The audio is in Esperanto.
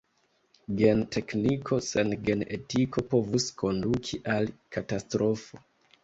Gen-tekniko sen gen-etiko povus konduki al katastrofo.